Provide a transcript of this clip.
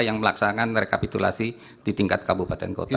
yang melaksanakan rekapitulasi di tingkat kabupaten kota